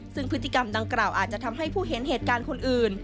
ซึ่งพฤติกรรมดังกล่าวอาจจะทำให้ผู้เห็นเหตุการณ์คนอื่น